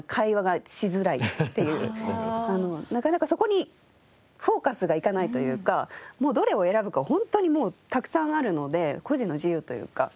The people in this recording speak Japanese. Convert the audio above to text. なかなかそこにフォーカスがいかないというかもうどれを選ぶか本当にたくさんあるので個人の自由というか。